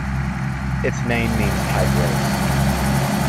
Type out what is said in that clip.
Its name means "High Grace".